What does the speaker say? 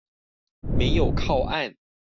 沒有靠岸